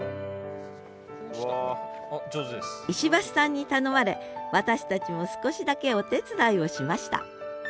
石橋さんに頼まれ私たちも少しだけお手伝いをしました